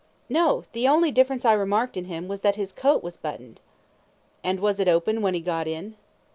A. No; the only difference I remarked in him was that his coat was buttoned. Q. And was it open when he got in?